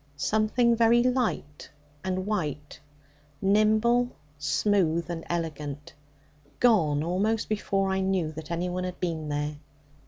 Something very light and white, nimble, smooth, and elegant, gone almost before I knew that any one had been there.